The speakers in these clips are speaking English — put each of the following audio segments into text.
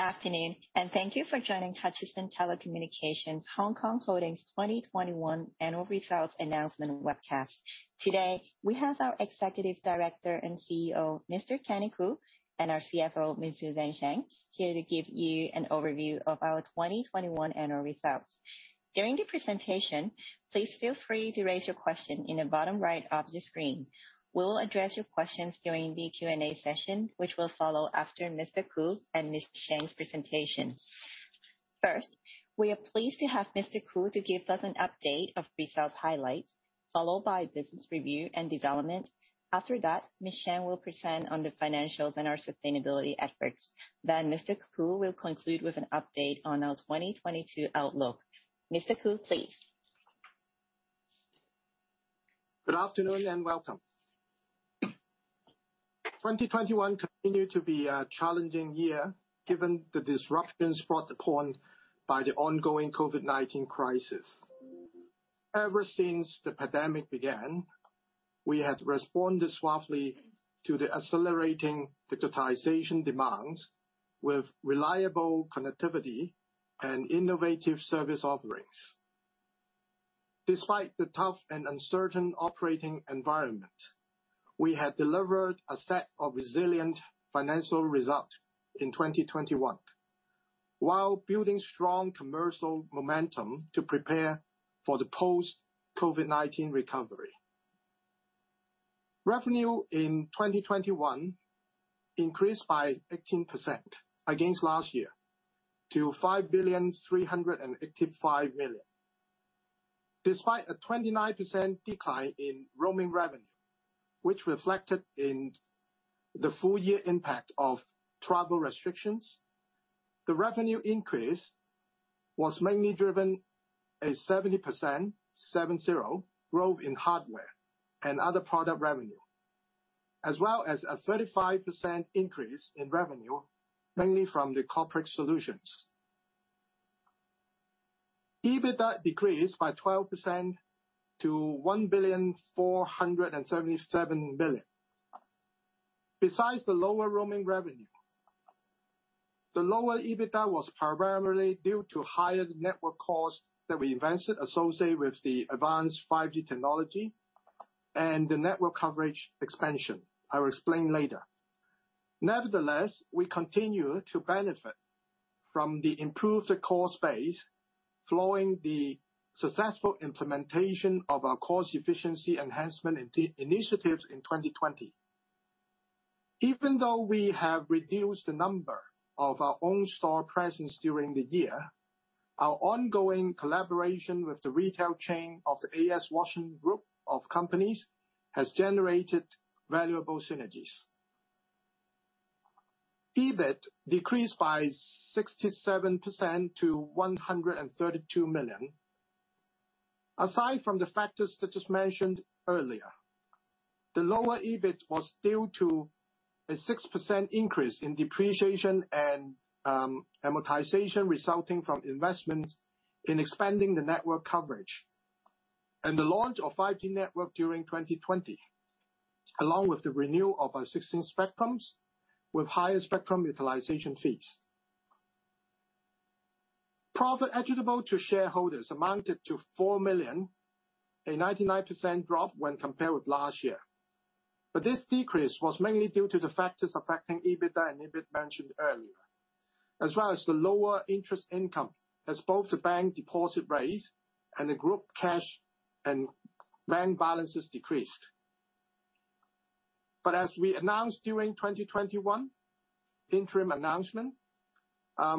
Good afternoon, and thank you for joining Hutchison Telecommunications Hong Kong Holdings 2021 annual results announcement webcast. Today, we have our Executive Director and CEO, Mr. Kenny Koo, and our CFO, Ms. Suzanne Cheng, here to give you an overview of our 2021 annual results. During the presentation, please feel free to raise your question in the bottom-right of the screen. We will address your questions during the Q&A session, which will follow after Mr. Koo and Ms. Cheng's presentation. First, we are pleased to have Mr. Koo to give us an update of results highlights, followed by business review and development. After that, Ms. Cheng will present on the financials and our sustainability efforts. Mr. Koo will conclude with an update on our 2022 outlook. Mr. Koo, please. Good afternoon, and welcome. 2021 continued to be a challenging year given the disruptions brought upon by the ongoing COVID-19 crisis. Ever since the pandemic began, we have responded swiftly to the accelerating digitization demands with reliable connectivity and innovative service offerings. Despite the tough and uncertain operating environment, we have delivered a set of resilient financial results in 2021 while building strong commercial momentum to prepare for the post-COVID-19 recovery. Revenue in 2021 increased by 18% against last year to 5,385 billion. Despite a 29% decline in roaming revenue, which reflected in the full year impact of travel restrictions, the revenue increase was mainly driven by a 70% growth in hardware and other product revenue, as well as a 35% increase in revenue, mainly from the corporate solutions. EBITDA decreased by 12% to 1,477 billion. Besides the lower roaming revenue, the lower EBITDA was primarily due to higher network costs that we invested associated with the advanced 5G technology and the network coverage expansion. I will explain later. Nevertheless, we continue to benefit from the improved cost base following the successful implementation of our cost efficiency enhancement initiatives in 2020. Even though we have reduced the number of our own store presence during the year, our ongoing collaboration with the retail chain of the A.S. Watson Group of companies has generated valuable synergies. EBIT decreased by 67% to 132 million. Aside from the factors that just mentioned earlier, the lower EBIT was due to a 6% increase in depreciation and amortization resulting from investments in expanding the network coverage and the launch of 5G network during 2020, along with the renewal of our existing spectrums with higher spectrum utilization fees. Profit attributable to shareholders amounted to 4 million, a 99% drop when compared with last year. This decrease was mainly due to the factors affecting EBITDA and EBIT mentioned earlier, as well as the lower interest income as both the bank deposit rates and the group cash and bank balances decreased. As we announced during 2021 interim announcement,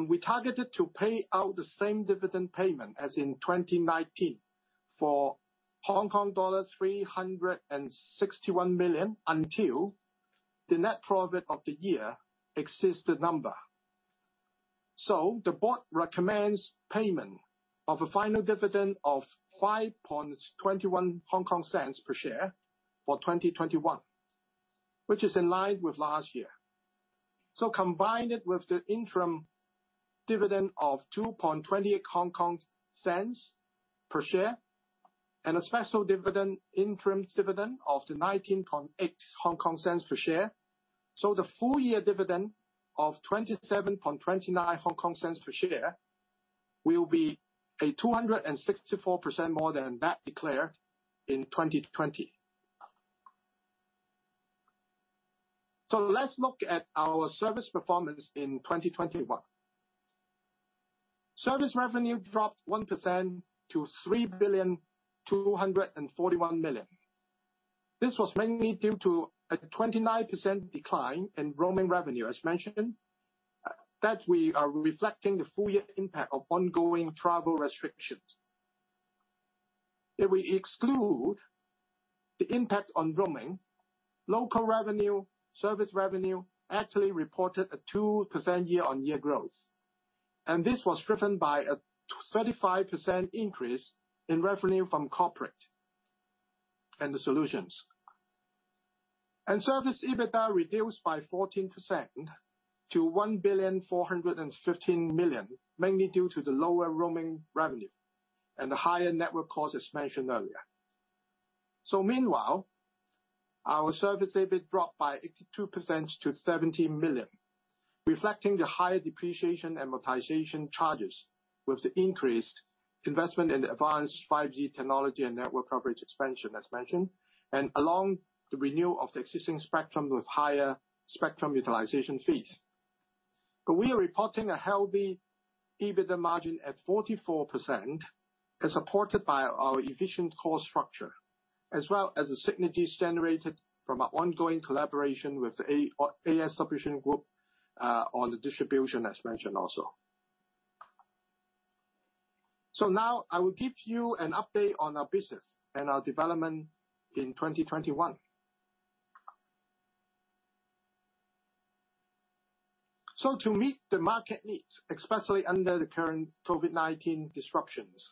we targeted to pay out the same dividend payment as in 2019 for Hong Kong dollars 361 million, until the net profit of the year exceeds the number. The board recommends payment of a final dividend of 0.0521 per share for 2021, which is in line with last year. Combine it with the interim dividend of 0.0220 per share and an interim dividend of 19.8 per share. The full year dividend of 0.2729 per share will be 264% more than that declared in 2020. Let's look at our service performance in 2021. Service revenue dropped 1% to 3,241 billion. This was mainly due to a 29% decline in roaming revenue, as mentioned, reflecting the full year impact of ongoing travel restrictions. If we exclude the impact on roaming, local revenue, service revenue actually reported a 2% year-on-year growth. This was driven by a 35% increase in revenue from corporate and the solutions. Service EBITDA reduced by 14% to 1.415 billion, mainly due to the lower roaming revenue and the higher network costs, as mentioned earlier. Meanwhile, our service EBIT dropped by 82% to 70 million, reflecting the higher depreciation and amortization charges with the increased investment in the advanced 5G technology and network coverage expansion, as mentioned, and along the renewal of the existing spectrum with higher spectrum utilization fees. We are reporting a healthy EBITDA margin at 44% as supported by our efficient cost structure, as well as the synergies generated from our ongoing collaboration with the A.S. Watson Group on the distribution, as mentioned also. Now I will give you an update on our business and our development in 2021. To meet the market needs, especially under the current COVID-19 disruptions,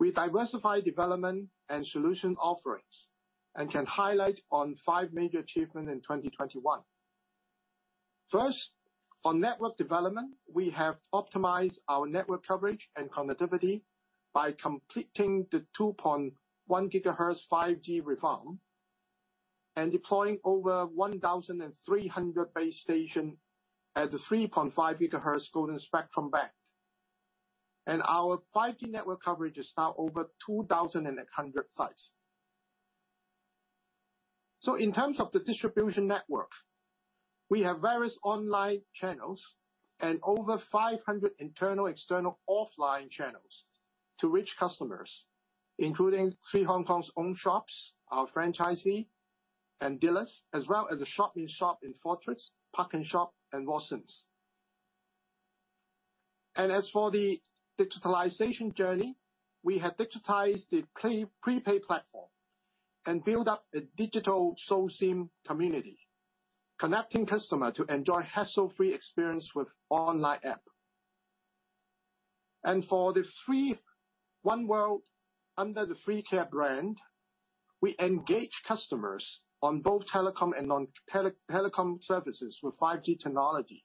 we diversify development and solution offerings and can highlight on five major achievements in 2021. First, on network development, we have optimized our network coverage and connectivity by completing the 2.1 GHz 5G refarm and deploying over 1,300 base station at the 3.5 GHz golden spectrum band. Our 5G network coverage is now over 2,100 sites. In terms of the distribution network, we have various online channels and over 500 internal, external offline channels to reach customers, including three Hong Kong's own shops, our franchisee and dealers, as well as a shop-in-shop in FORTRESS, ParknShop, and Watsons. As for the digitalization journey, we have digitized the prepaid platform and build up a digital SoSIM community, connecting customer to enjoy hassle-free experience with online app. For the 3 One World under the 3Care brand, we engage customers on both telecom and non-telecom services with 5G technology,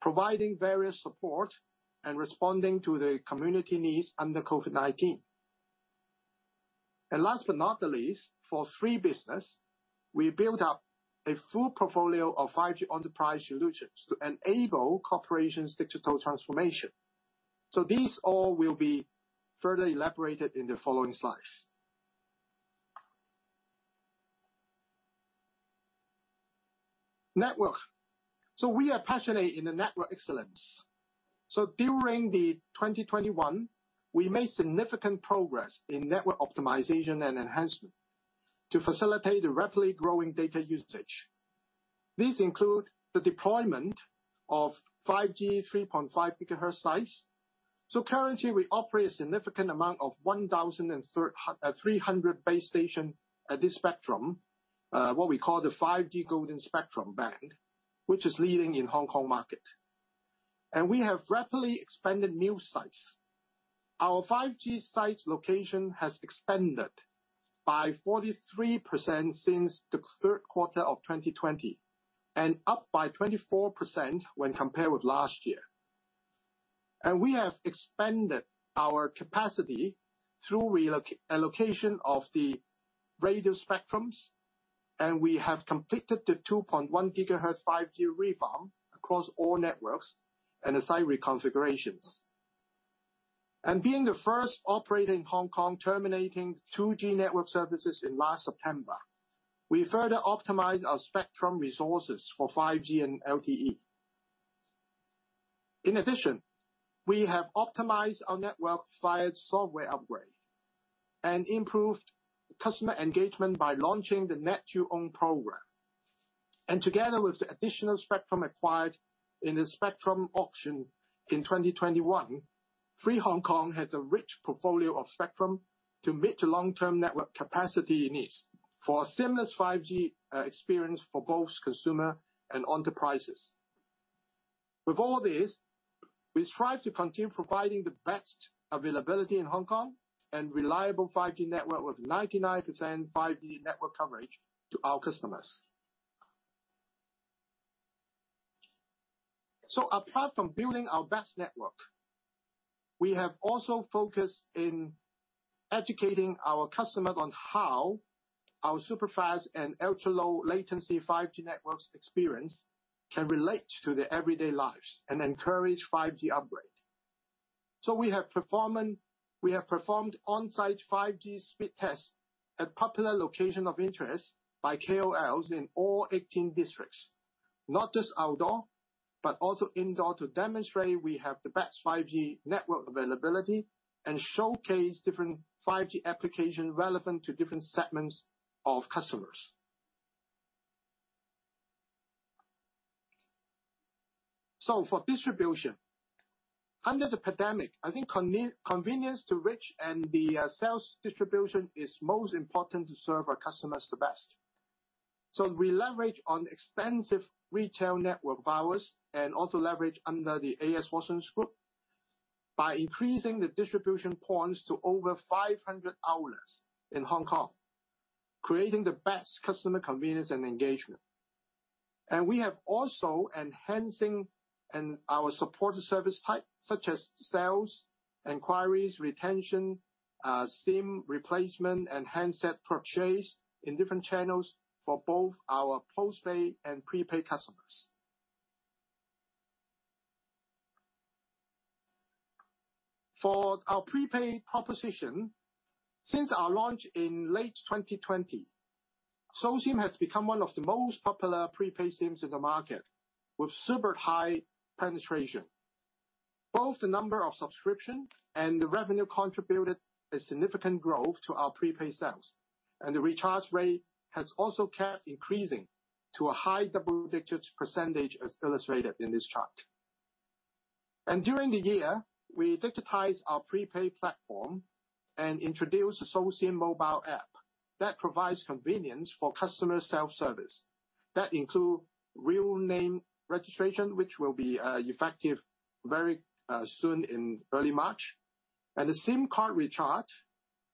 providing various support and responding to the community needs under COVID-19. Last but not the least, for 3Business, we built up a full portfolio of 5G enterprise solutions to enable corporations' digital transformation. These all will be further elaborated in the following slides. Network. We are passionate in the network excellence. During 2021, we made significant progress in network optimization and enhancement to facilitate the rapidly growing data usage. These include the deployment of 5G 3.5 GHz sites. Currently, we operate a significant amount of 1,300 base stations at this spectrum, what we call the 5G golden spectrum band, which is leading in Hong Kong market. We have rapidly expanded new sites. Our 5G sites location has expanded by 43% since the third quarter of 2020 and up by 24% when compared with last year. We have expanded our capacity through allocation of the radio spectrums, and we have completed the 2.1 GHz 5G reform across all networks and the site reconfigurations. Being the first operator in Hong Kong terminating 2G network services in last September, we further optimize our spectrum resources for 5G and LTE. In addition, we have optimized our network via software upgrade and improved customer engagement by launching the NetYouOwn program. Together with the additional spectrum acquired in the spectrum auction in 2021, 3 Hong Kong has a rich portfolio of spectrum to meet the long-term network capacity needs for a seamless 5G experience for both consumer and enterprises. With all this, we strive to continue providing the best availability in Hong Kong and reliable 5G network with 99% 5G network coverage to our customers. Apart from building our best network, we have also focused on educating our customers on how our super fast and ultra-low latency 5G network experience can relate to their everyday lives and encourage 5G upgrade. We have performed on-site 5G speed tests at popular locations of interest by KOLs in all 18 districts, not just outdoors, but also indoors to demonstrate we have the best 5G network availability and showcase different 5G applications relevant to different segments of customers. For distribution, under the pandemic, I think convenience to reach and the sales distribution is most important to serve our customers the best. We leverage on extensive retail network of ours and also leverage under the A.S. Watson Group by increasing the distribution points to over 500 outlets in Hong Kong, creating the best customer convenience and engagement. We have also enhanced our support service type such as sales, inquiries, retention, SIM replacement and handset purchase in different channels for both our post-pay and pre-pay customers. For our pre-pay proposition, since our launch in late 2020, SoSIM has become one of the most popular pre-pay SIMs in the market, with super high penetration. Both the number of subscriptions and the revenue contributed a significant growth to our pre-pay sales. The recharge rate has also kept increasing to a high double-digit percentage, as illustrated in this chart. During the year, we digitized our pre-pay platform and introduced SoSIM mobile app that provides convenience for customer self-service. That includes real name registration, which will be effective very soon in early March, and the SIM card recharge,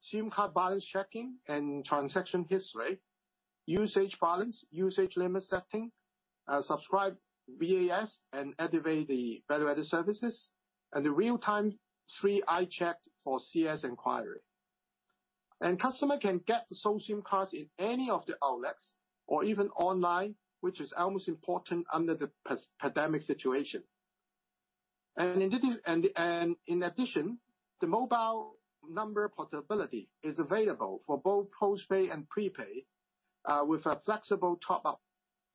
SIM card balance checking and transaction history, usage balance, usage limit setting, subscribe VAS and activate the value-added services, and the real-time three eye checked for CS inquiry. Customer can get the SoSIM cards in any of the outlets or even online, which is most important under the pandemic situation. In addition, the mobile number portability is available for both post-pay and pre-pay, with a flexible top up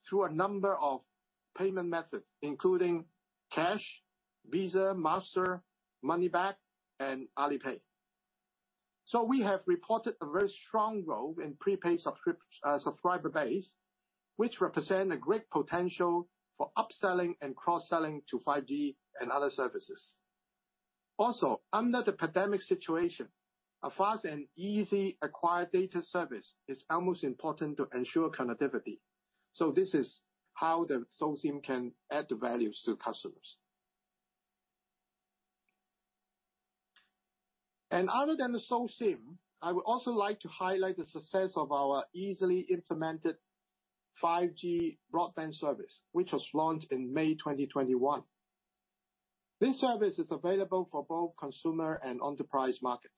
through a number of payment methods, including cash, Visa, Mastercard, MoneyBack and Alipay. We have reported a very strong growth in pre-pay subscriber base, which represent a great potential for upselling and cross-selling to 5G and other services. Also, under the pandemic situation, a fast and easily acquired data service is as most important to ensure connectivity. This is how the SoSIM can add value to customers. Other than the SoSIM, I would also like to highlight the success of our easily implemented 5G broadband service, which was launched in May 2021. This service is available for both consumer and enterprise market.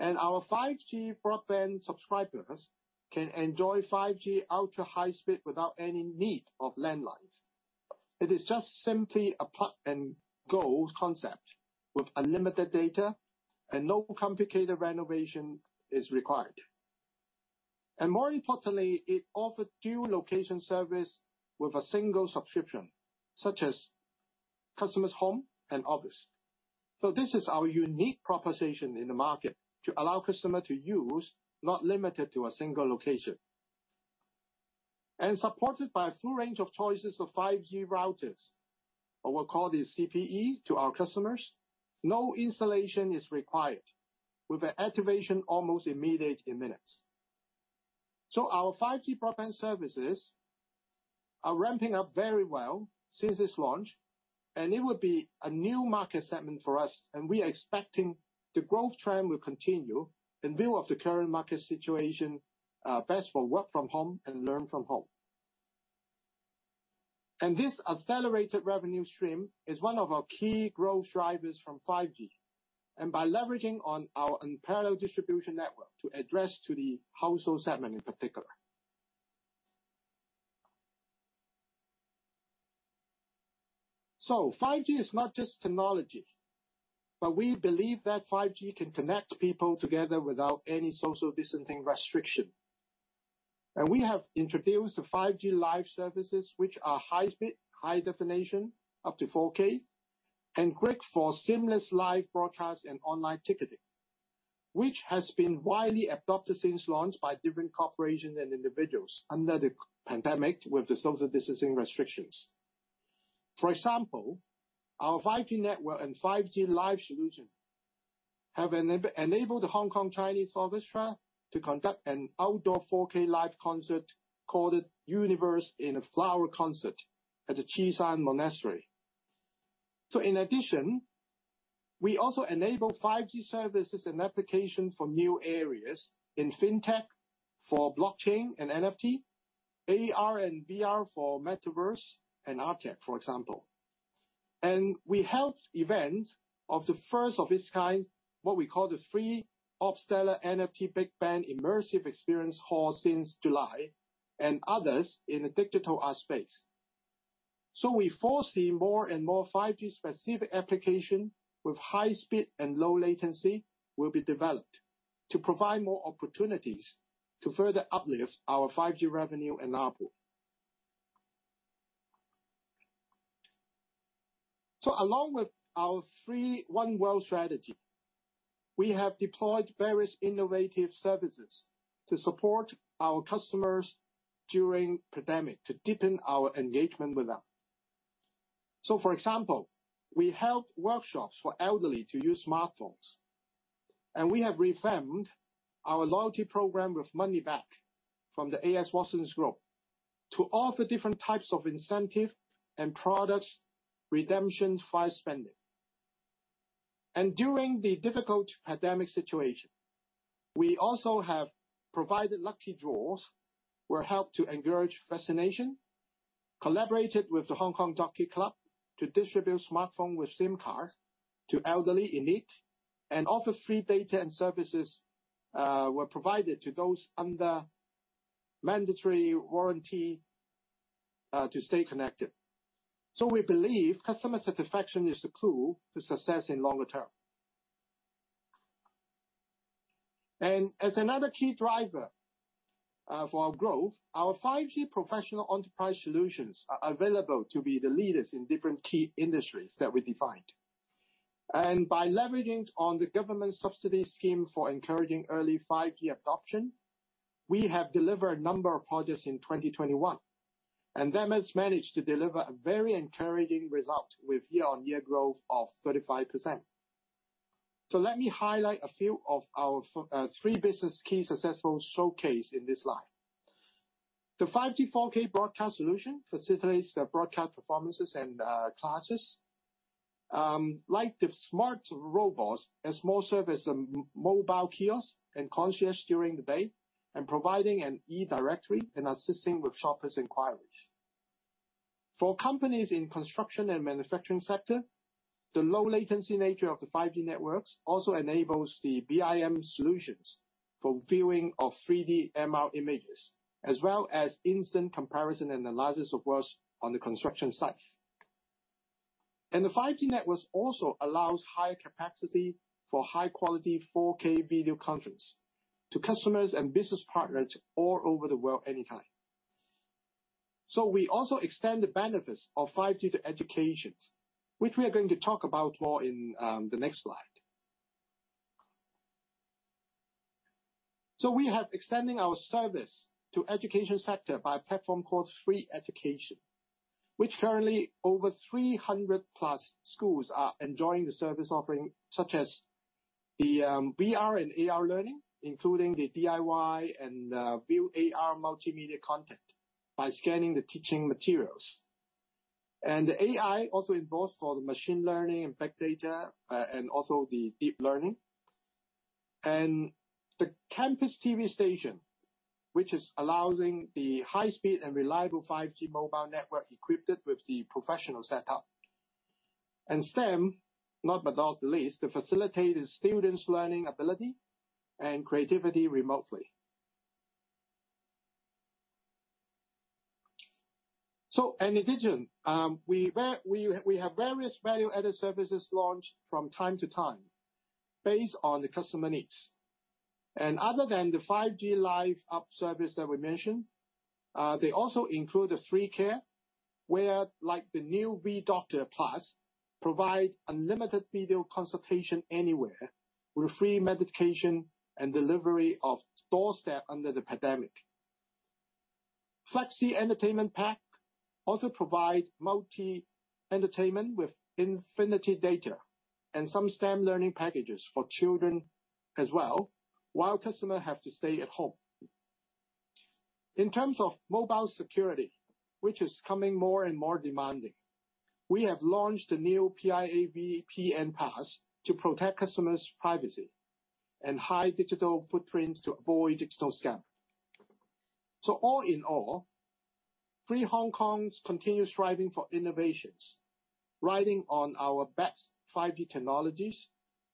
Our 5G broadband subscribers can enjoy 5G ultra-high speed without any need of landlines. It is just simply a plug-and-go concept with unlimited data and no complicated renovation is required. More importantly, it offer dual location service with a single subscription, such as customer's home and office. This is our unique proposition in the market to allow customer to use, not limited to a single location. Supported by a full range of choices of 5G routers, or we call it CPE to our customers, no installation is required, with the activation almost immediate in minutes. Our 5G broadband services are ramping up very well since its launch, and it would be a new market segment for us, and we are expecting the growth trend will continue in view of the current market situation, best for work from home and learn from home. This accelerated revenue stream is one of our key growth drivers from 5G, and by leveraging on our unparalleled distribution network to address the household segment in particular. 5G is not just technology, but we believe that 5G can connect people together without any social distancing restriction. We have introduced the 5G live services, which are high-speed, high definition, up to 4K, and great for seamless live broadcast and online ticketing, which has been widely adopted since launch by different corporations and individuals under the pandemic with the social distancing restrictions. For example, our 5G network and 5G live solution have enabled the Hong Kong Chinese Orchestra to conduct an outdoor 4K live concert called Universe in a Flower Concert at the Tsz Shan Monastery. In addition, we also enable 5G services and application for new areas in fintech for blockchain and NFT, AR and VR for metaverse and EdTech, for example. We held events of the first of its kind, what we call the 3 Orbstellar NFT Big Bang Immersive Experience Hall since July and others in the digital art space. We foresee more and more 5G specific applications with high speed and low latency will be developed to provide more opportunities to further uplift our 5G revenue and ARPU. Along with our 3 One World strategy, we have deployed various innovative services to support our customers during pandemic to deepen our engagement with them. For example, we held workshops for elderly to use smartphones. We have revamped our loyalty program with MoneyBack from the A.S. Watson Group to offer different types of incentive and products redemption via spending. During the difficult pandemic situation, we also have provided lucky draws which helped to encourage vaccination, collaborated with the Hong Kong Jockey Club to distribute smartphone with SIM card to elderly in need, and offer free data and services were provided to those under mandatory quarantine to stay connected. We believe customer satisfaction is the key to success in the long term. As another key driver for our growth, our 5G professional enterprise solutions are available to be the leaders in different key industries that we defined. By leveraging on the government subsidy scheme for encouraging early 5G adoption, we have delivered a number of projects in 2021, and we have managed to deliver a very encouraging result with year-on-year growth of 35%. Let me highlight a few of our 3Business key successful showcases in this slide. The 5G 4K broadcast solution facilitates the broadcast performances and classes. Like the smart robots as more service, mobile kiosk and concierge during the day and providing an e-directory and assisting with shoppers' inquiries. For companies in construction and manufacturing sector, the low latency nature of the 5G networks also enables the BIM solutions for viewing of 3D MR images, as well as instant comparison and analysis of works on the construction sites. The 5G networks also allow higher capacity for high-quality 4K video conference to customers and business partners all over the world anytime. We also extend the benefits of 5G to education, which we are going to talk about more in the next slide. We have extending our service to education sector by a platform called 3Education, which currently over 300+ schools are enjoying the service offering, such as VR and AR learning, including the DIY and view AR multimedia content by scanning the teaching materials. AI also involves for the machine learning and big data, and also the deep learning. The campus TV station, which is allowing the high speed and reliable 5G mobile network equipped with the professional setup. STEM, last but not the least, to facilitate the students' learning ability and creativity remotely. In addition, we have various value-added services launched from time to time based on the customer needs. Other than the 5G LIVE service that we mentioned, they also include the 3Care, where like the new VDoctor+ provide unlimited video consultation anywhere with free medication and delivery to the doorstep under the pandemic. Flexi Entertainment Pack also provide multi-entertainment with unlimited data and some STEM learning packages for children as well, while customer have to stay at home. In terms of mobile security, which is becoming more and more demanding, we have launched a new PIA VPN Pass to protect customers' privacy and hide digital footprints to avoid digital scam. All in all, 3 Hong Kong's continuous striving for innovations, riding on our best 5G technologies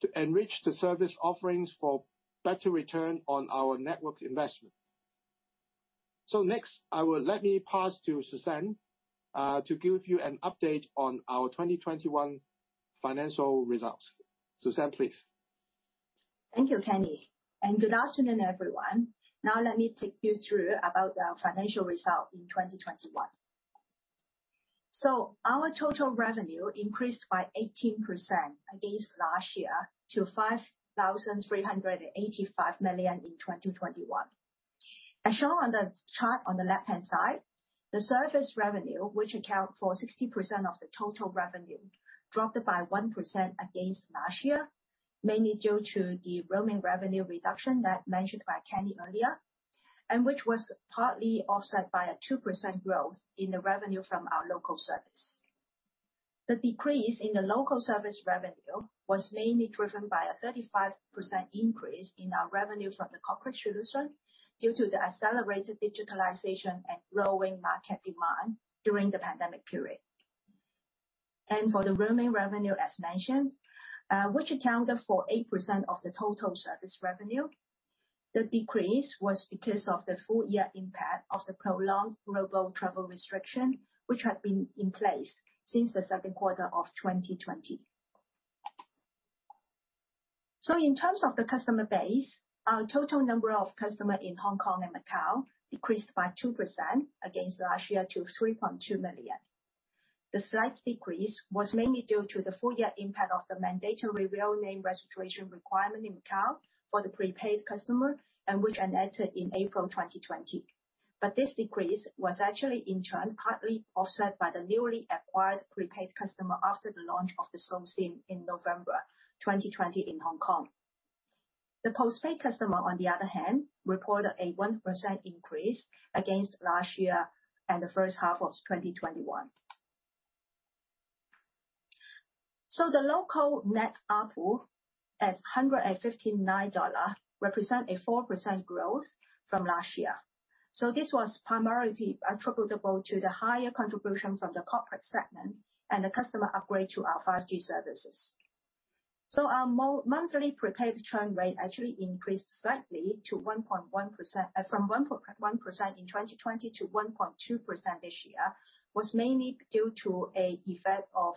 to enrich the service offerings for better return on our network investment. Next, I will pass to Suzanne to give you an update on our 2021 financial results. Suzanne, please. Thank you, Kenny. Good afternoon, everyone. Now let me take you through about our financial result in 2021. Our total revenue increased by 18% against last year to 5,385 million in 2021. As shown on the chart on the left-hand side, the service revenue, which account for 60% of the total revenue, dropped by 1% against last year, mainly due to the roaming revenue reduction that mentioned by Kenny earlier, and which was partly offset by a 2% growth in the revenue from our local service. The increase in the local service revenue was mainly driven by a 35% increase in our revenue from the corporate solution due to the accelerated digitalization and growing market demand during the pandemic period. For the roaming revenue, as mentioned, which accounted for 8% of the total service revenue, the decrease was because of the full year impact of the prolonged global travel restriction, which had been in place since the second quarter of 2020. In terms of the customer base, our total number of customers in Hong Kong and Macau decreased by 2% against last year to 3.2 million. The slight decrease was mainly due to the full year impact of the mandatory real name registration requirement in Macau for the prepaid customers, which enacted in April 2020. This decrease was actually in turn partly offset by the newly acquired prepaid customer after the launch of the SoSIM in November 2020 in Hong Kong. The postpaid customer, on the other hand, reported a 1% increase against last year and the first half of 2021. The local net ARPU at 159 dollar represent a 4% growth from last year. This was primarily attributable to the higher contribution from the corporate segment and the customer upgrade to our 5G services. Our monthly prepaid churn rate actually increased slightly to 1.1% from 1.1% in 2020 to 1.2% this year, was mainly due to an effect of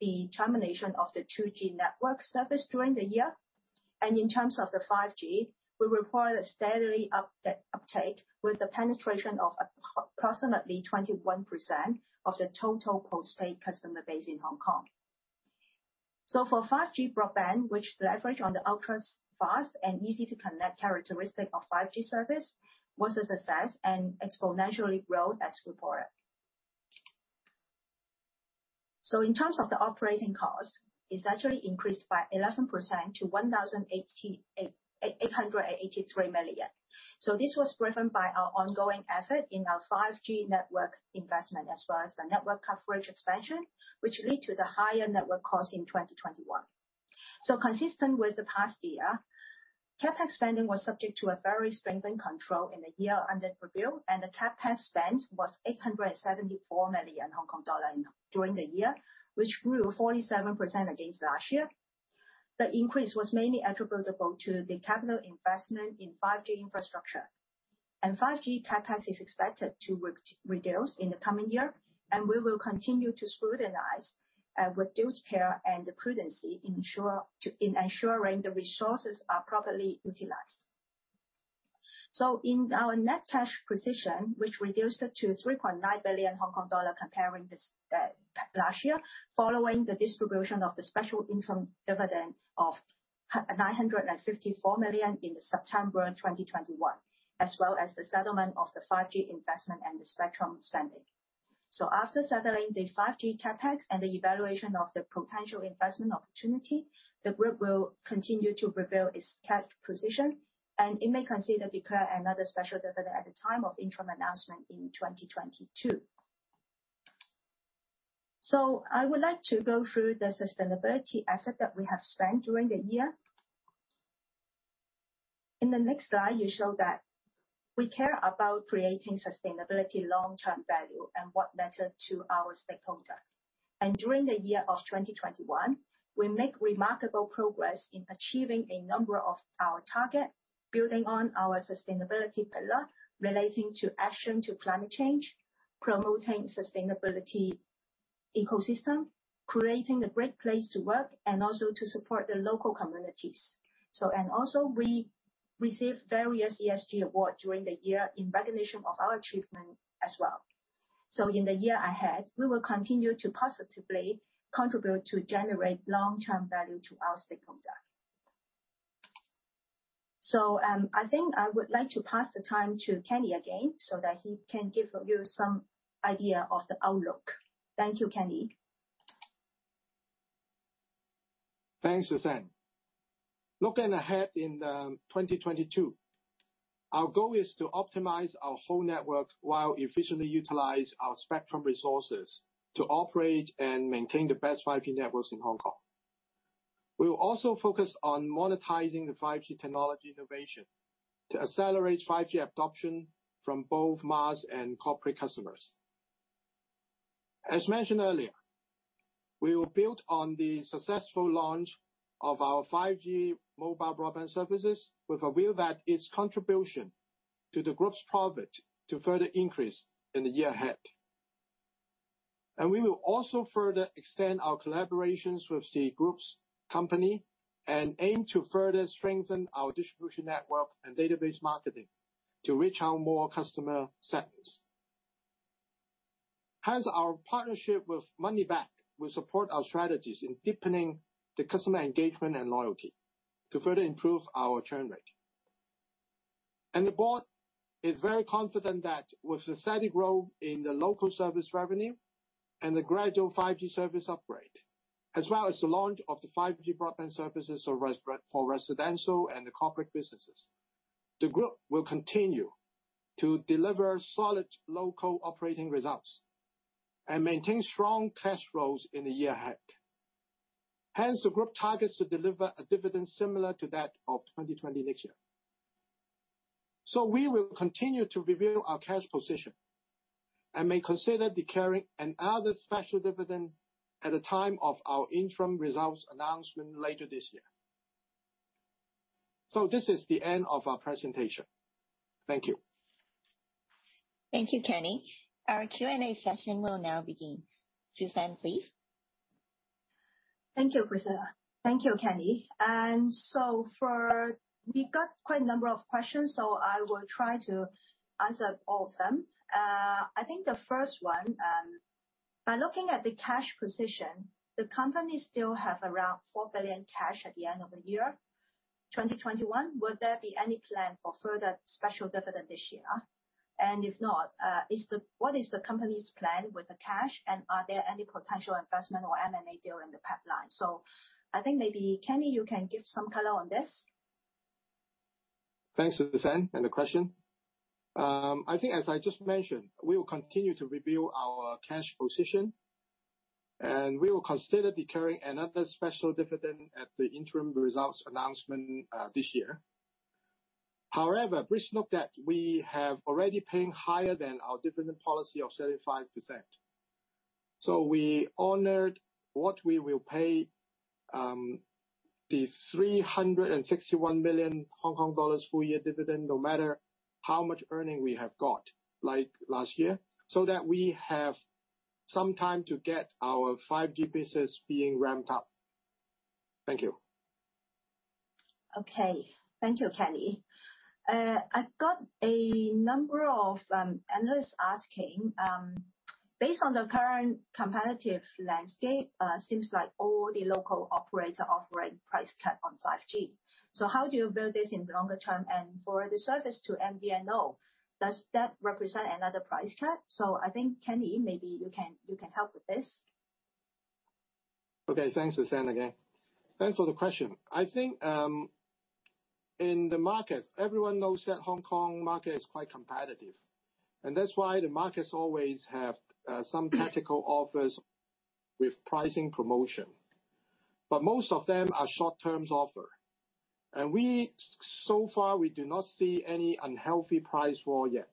the termination of the 2G network service during the year. In terms of the 5G, we reported a steadily uptake with a penetration of approximately 21% of the total postpaid customer base in Hong Kong. For 5G broadband, which leverage on the ultra-fast and easy to connect characteristic of 5G service, was a success and exponentially grow as reported. In terms of the operating cost, it's actually increased by 11% to 1,888 million. This was driven by our ongoing effort in our 5G network investment, as well as the network coverage expansion, which lead to the higher network cost in 2021. Consistent with the past year, CapEx spending was subject to a very stringent control in the year under review, and the CapEx spend was 874 million Hong Kong dollar during the year, which grew 47% against last year. The increase was mainly attributable to the capital investment in 5G infrastructure. 5G CapEx is expected to reduce in the coming year, and we will continue to scrutinize with due care and prudence in ensuring the resources are properly utilized. In our net cash position, which reduced to 3.9 billion Hong Kong dollar compared to last year, following the distribution of the special interim dividend of 954 million in September 2021, as well as the settlement of the 5G investment and the spectrum spending. After settling the 5G CapEx and the evaluation of the potential investment opportunity, the group will continue to preserve its cash position, and it may consider declaring another special dividend at the time of interim announcement in 2022. I would like to go through the sustainability effort that we have spent during the year. In the next slide, we show that we care about creating sustainability long-term value and what matter to our stakeholder. During the year of 2021, we make remarkable progress in achieving a number of our target, building on our sustainability pillar relating to action to climate change, promoting sustainability ecosystem, creating a great place to work and also to support the local communities. We received various ESG award during the year in recognition of our achievement as well. In the year ahead, we will continue to positively contribute to generate long-term value to our stakeholder. I think I would like to pass the time to Kenny again so that he can give you some idea of the outlook. Thank you, Kenny. Thanks, Suzanne. Looking ahead in 2022, our goal is to optimize our whole network while efficiently utilize our spectrum resources to operate and maintain the best 5G networks in Hong Kong. We will also focus on monetizing the 5G technology innovation to accelerate 5G adoption from both mass and corporate customers. As mentioned earlier, we will build on the successful launch of our 5G mobile broadband services with a view that its contribution to the group's profit to further increase in the year ahead. We will also further extend our collaborations with the group's company and aim to further strengthen our distribution network and database marketing to reach out more customer segments. Hence, our partnership with MoneyBack will support our strategies in deepening the customer engagement and loyalty to further improve our churn rate. The board is very confident that with the steady growth in the local service revenue and the gradual 5G service upgrade, as well as the launch of the 5G broadband services for residential and the corporate businesses, the group will continue to deliver solid local operating results and maintain strong cash flows in the year ahead. Hence, the group targets to deliver a dividend similar to that of 2020 next year. We will continue to review our cash position and may consider declaring another special dividend at the time of our interim results announcement later this year. This is the end of our presentation. Thank you. Thank you, Kenny. Our Q&A session will now begin. Suzanne, please. Thank you, Priscilla. Thank you, Kenny. We've got quite a number of questions, so I will try to answer all of them. I think the first one, by looking at the cash position, the company still have around 4 billion cash at the end of the year, 2021. Would there be any plan for further special dividend this year? If not, what is the company's plan with the cash, and are there any potential investment or M&A deal in the pipeline? I think maybe, Kenny, you can give some color on this. Thanks, Suzanne, and the question. I think as I just mentioned, we will continue to review our cash position, and we will consider declaring another special dividend at the interim results announcement, this year. However, please note that we have already paid higher than our dividend policy of 35%. We honored what we will pay, the 361 million Hong Kong dollars full year dividend, no matter how much earnings we have got, like last year, so that we have some time to get our 5G business being ramped up. Thank you. Okay. Thank you, Kenny. I've got a number of analysts asking, based on the current competitive landscape, seems like all the local operator offering price cut on 5G. How do you build this in the longer term? For the service to MVNO, does that represent another price cut? I think, Kenny, maybe you can help with this. Okay. Thanks, Suzanne again. Thanks for the question. I think, in the market, everyone knows that Hong Kong market is quite competitive, and that's why the markets always have some tactical offers with pricing promotion. But most of them are short-term offers. So far, we do not see any unhealthy price war yet.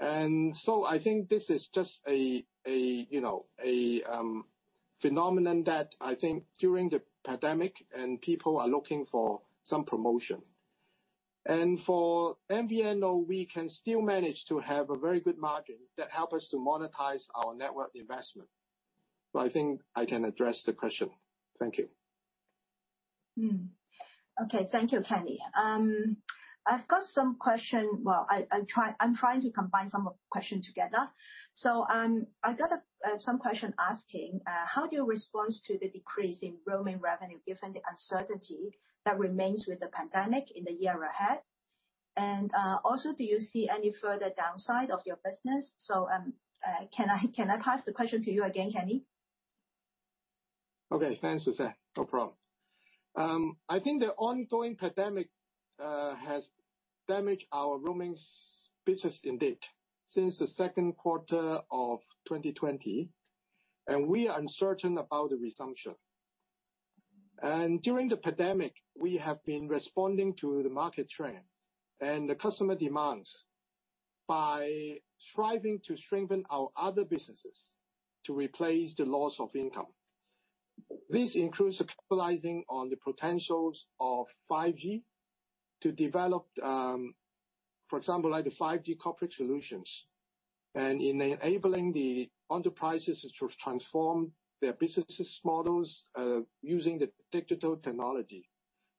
I think this is just a you know a phenomenon that I think during the pandemic, and people are looking for some promotion. For MVNO, we can still manage to have a very good margin that help us to monetize our network investment. I think I can address the question. Thank you. Okay. Thank you, Kenny. I've got some question. I'm trying to combine some of the question together. I got some question asking how do you respond to the decrease in roaming revenue given the uncertainty that remains with the pandemic in the year ahead? And, also, do you see any further downside of your business? Can I pass the question to you again, Kenny? Okay. Thanks, Suzanne. No problem. I think the ongoing pandemic has damaged our roaming business indeed since Q2 2020, and we are uncertain about the resumption. During the pandemic, we have been responding to the market trends and the customer demands by striving to strengthen our other businesses to replace the loss of income. This includes capitalizing on the potentials of 5G to develop, for example, like the 5G corporate solutions, and in enabling the enterprises to transform their business models using the digital technology,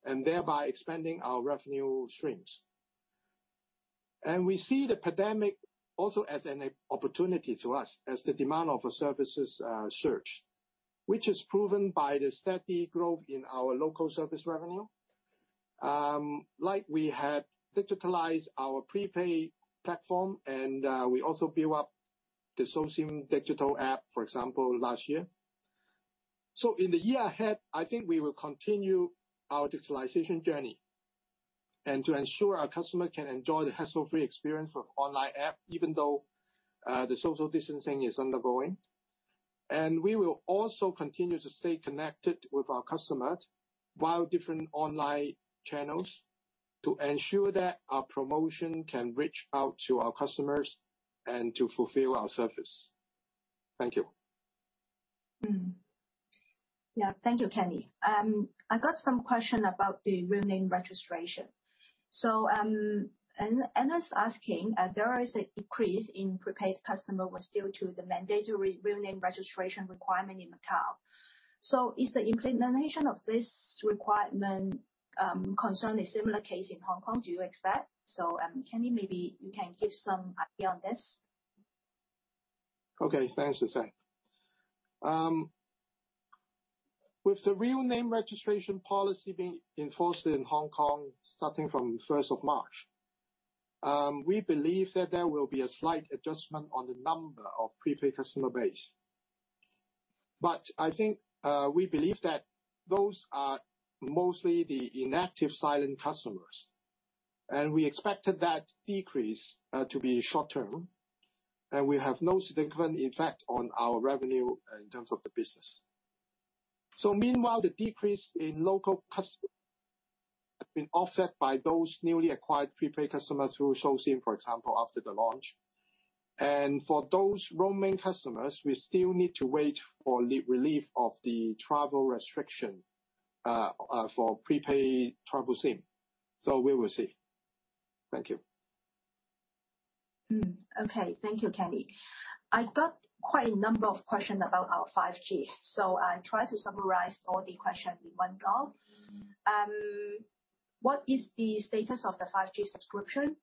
and thereby expanding our revenue streams. We see the pandemic also as an opportunity for us, as the demand of our services surge, which is proven by the steady growth in our local service revenue. Like we have digitalized our prepaid platform, and we also build up the SoSIM digital app, for example, last year. In the year ahead, I think we will continue our digitalization journey, and to ensure our customer can enjoy the hassle-free experience of online app, even though the social distancing is undergoing. We will also continue to stay connected with our customers via different online channels to ensure that our promotion can reach out to our customers and to fulfill our service. Thank you. Thank you, Kenny. I got some question about the real name registration. An analyst asking if there is a decrease in prepaid customers due to the mandatory real name registration requirement in Macau. Is the implementation of this requirement a concern for a similar case in Hong Kong, do you expect? Kenny, maybe you can give some idea on this. Okay. Thanks, Suzanne. With the real name registration policy being enforced in Hong Kong starting from first of March, we believe that there will be a slight adjustment on the number of prepaid customer base. I think we believe that those are mostly the inactive silent customers, and we expected that decrease to be short-term, and we have no significant effect on our revenue in terms of the business. Meanwhile, the decrease in local customer has been offset by those newly acquired prepaid customers through SoSIM, for example, after the launch. For those roaming customers, we still need to wait for relief of the travel restriction for prepaid travel SIM. We will see. Thank you. Okay. Thank you, Kenny. I've got quite a number of questions about our 5G. I try to summarize all the question in one go. What is the status of the 5G subscription?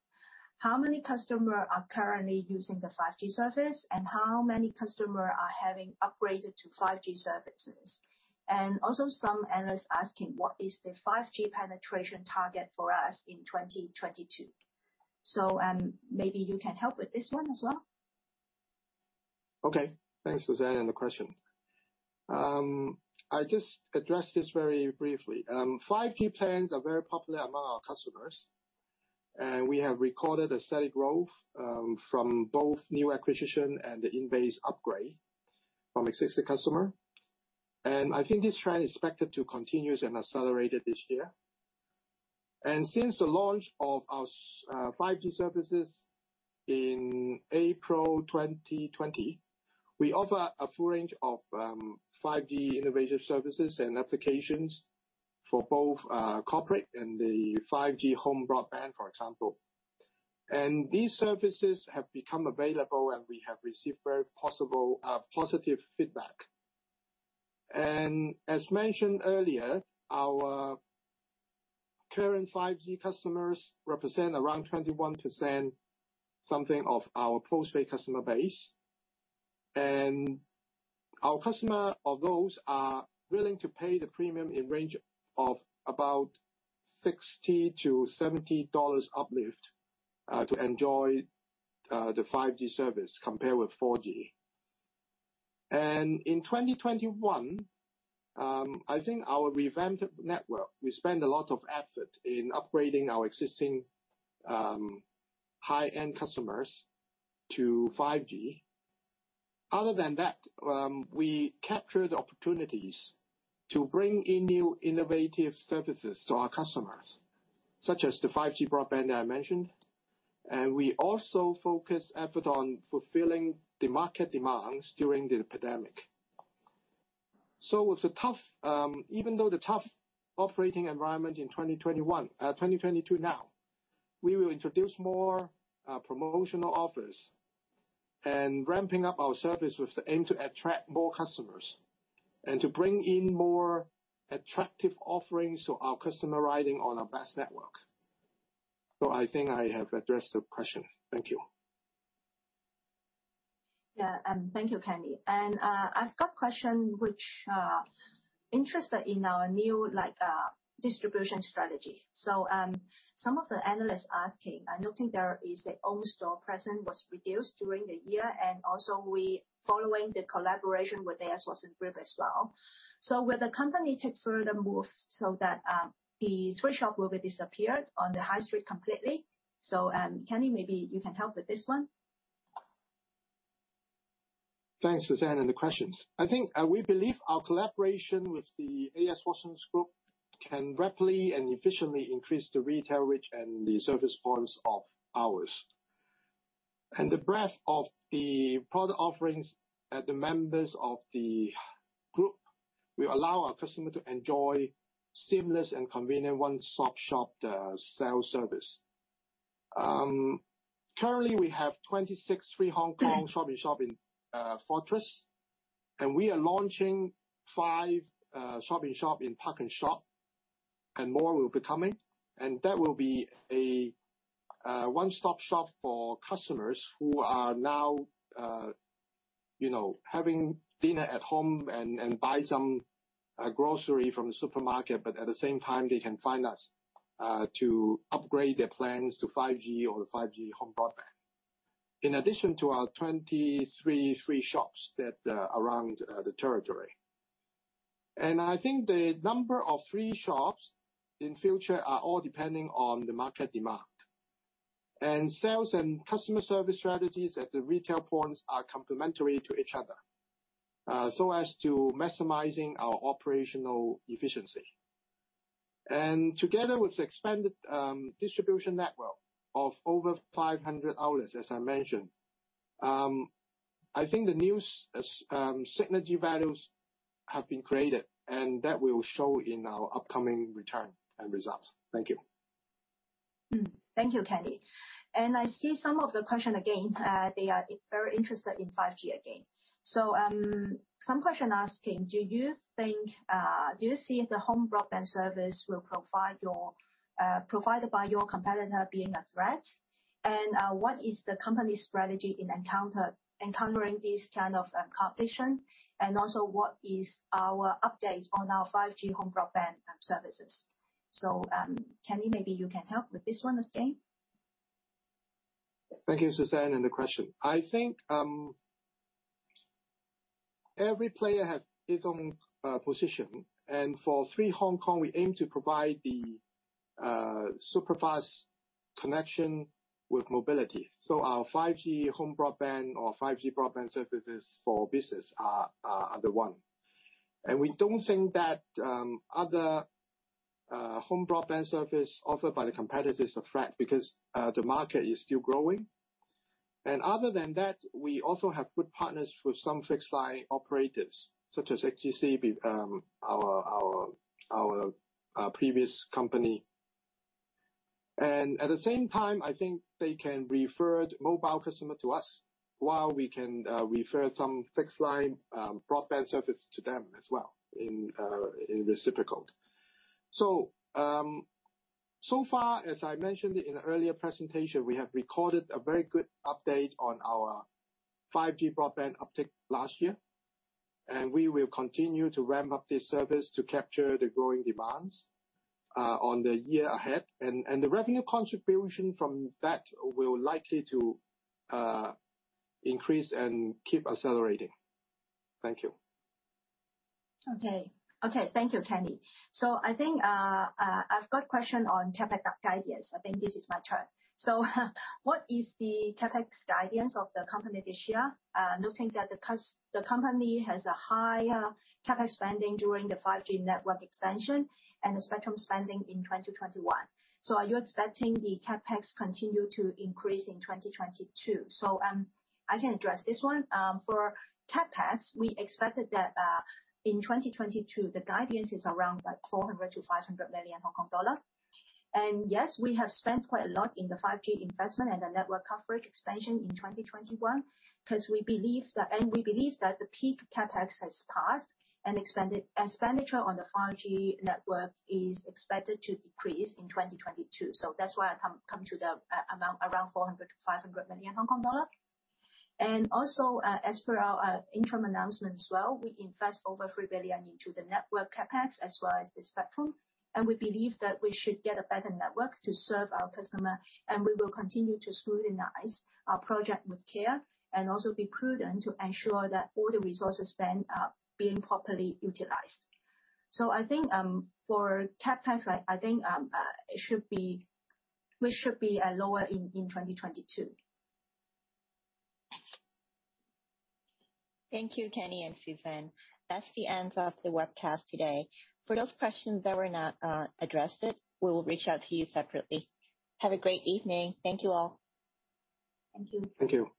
How many customer are currently using the 5G service, and how many customer are having upgraded to 5G services? Some analysts asking, what is the 5G penetration target for us in 2022? Maybe you can help with this one as well. Okay. Thanks, Suzanne, for the question. I'll just address this very briefly. 5G plans are very popular among our customers, and we have recorded a steady growth from both new acquisition and the in-base upgrade from existing customers. I think this trend is expected to continue and accelerate this year. Since the launch of our 5G services in April 2020, we offer a full range of 5G innovative services and applications for both corporate and 5G home broadband, for example. These services have become available, and we have received very positive feedback. As mentioned earlier, our current 5G customers represent around 21% of our post-paid customer base. Our customers, those are willing to pay the premium in range of about 60-70 dollars uplift, to enjoy the 5G service compared with 4G. In 2021, I think our revamped network, we spend a lot of effort in upgrading our existing high-end customers to 5G. Other than that, we capture the opportunities to bring in new innovative services to our customers, such as the 5G Broadband I mentioned, and we also focus effort on fulfilling the market demands during the pandemic. With the tough, even though the tough operating environment in 2021, 2022 now, we will introduce more promotional offers and ramping up our service with the aim to attract more customers and to bring in more attractive offerings to our customer riding on our best network. I think I have addressed the question. Thank you. Yeah. Thank you, Kenny. I've got question which interested in our new, like, distribution strategy. Some of the analysts asking, I notice there is a own store presence was reduced during the year, and also we following the collaboration with A.S. Watson Group as well. Will the company take further moves so that the 3Shop will be disappeared on the high street completely? Kenny, maybe you can help with this one. Thanks, Suzanne, for the questions. I think we believe our collaboration with the A.S. Watson Group can rapidly and efficiently increase the retail reach and the service points of ours. The breadth of the product offerings at the members of the group will allow our customer to enjoy seamless and convenient one-stop shop sales service. Currently we have 26 3 Hong Kong Shop-in-Shop in Fortress, and we are launching 5 Shop-in-Shop in ParknShop, and more will be coming. That will be a one-stop shop for customers who are now you know having dinner at home and buy some grocery from the supermarket, but at the same time they can find us to upgrade their plans to 5G or 5G home broadband. In addition to our 23 3Shops that are around the territory. I think the number of 3Shops in future are all depending on the market demand. Sales and customer service strategies at the retail points are complementary to each other, so as to maximizing our operational efficiency. Together with expanded distribution network of over 500 outlets, as I mentioned, I think the new synergy values have been created, and that will show in our upcoming return and results. Thank you. Thank you, Kenny. I see some of the questions again, they are very interested in 5G again. Some questions asking, do you see the home broadband service provided by your competitor being a threat? What is the company strategy in encountering this kind of competition? What is our update on our 5G home broadband services? Kenny, maybe you can help with this one again. Thank you, Suzanne, and the question. I think every player has his own position. For 3 Hong Kong, we aim to provide the superfast connection with mobility. Our 5G home broadband or 5G broadband services for business are the one. We don't think that other home broadband service offered by the competitors a threat because the market is still growing. Other than that, we also have good partners with some fixed line operators, such as HKTC, our previous company. At the same time, I think they can refer mobile customer to us, while we can refer some fixed line broadband service to them as well in reciprocal. so far, as I mentioned in the earlier presentation, we have recorded a very good update on our 5G broadband uptick last year, and we will continue to ramp up this service to capture the growing demands on the year ahead. The revenue contribution from that will likely to increase and keep accelerating. Thank you. Thank you, Kenny Koo. I think I've got a question on CapEx guidance. What is the CapEx guidance of the company this year? Noting that the company has a higher CapEx spending during the 5G network expansion and the spectrum spending in 2021. Are you expecting the CapEx to continue to increase in 2022? I can address this one. For CapEx, we expected that in 2022, the guidance is around 400 million-500 million Hong Kong dollars. Yes, we have spent quite a lot in the 5G investment and the network coverage expansion in 2021, 'cause we believe that the peak CapEx has passed and expenditure on the 5G network is expected to decrease in 2022. That's why I come to the amount around 400 million-500 million Hong Kong dollar. As per our interim announcement as well, we invest over 3 billion into the network CapEx as well as the spectrum, and we believe that we should get a better network to serve our customer, and we will continue to scrutinize our project with care and also be prudent to ensure that all the resources spent are being properly utilized. I think for CapEx it should be we should be lower in 2022. Thank you, Kenny and Suzanne. That's the end of the webcast today. For those questions that were not addressed, we will reach out to you separately. Have a great evening. Thank you all. Thank you. Thank you.